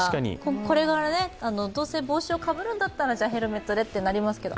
これなら、どうせ帽子をかぶるんだったらじゃあ、ヘルメットでとなりますけど。